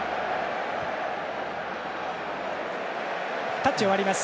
タッチを割ります。